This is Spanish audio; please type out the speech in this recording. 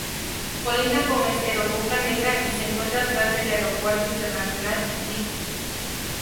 Colinda con Estero Boca Negra y se encuentra atrás del Aeropuerto Internacional Lic.